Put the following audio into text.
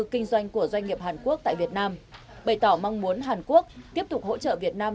kinh doanh của doanh nghiệp hàn quốc tại việt nam bày tỏ mong muốn hàn quốc tiếp tục hỗ trợ việt nam